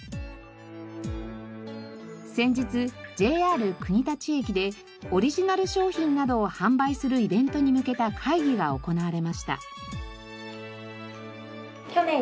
先日ＪＲ国立駅でオリジナル商品などを販売するイベントに向けた会議が行われました。